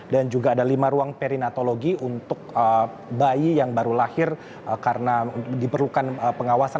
dan juga ada lima ruang perinatologi untuk bayi yang baru lahir karena diperlukan pengawasan